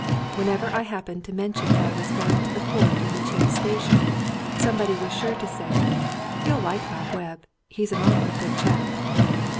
Whenever I happened to mention that I was going to the port in which he was stationed someone was sure to say : "You'll like Bob Webb. He's an awfully good chap."